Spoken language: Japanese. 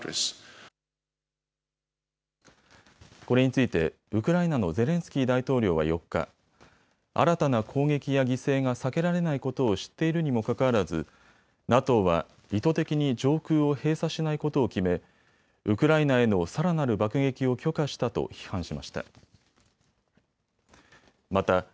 これについてウクライナのゼレンスキー大統領は４日、新たな攻撃や犠牲が避けられないことを知っているにもかかわらずＮＡＴＯは意図的に上空を閉鎖しないことを決め、ウクライナへのさらなる爆撃を許可したと批判しました。